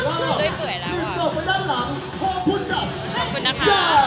มันมีอะไรที่มันแบบ